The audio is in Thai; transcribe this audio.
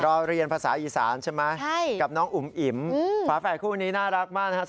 เรียนภาษาอีสานใช่ไหมกับน้องอุ๋มอิ๋มฝาแฝดคู่นี้น่ารักมากนะครับ